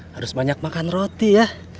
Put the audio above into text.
harus banyak makan roti ya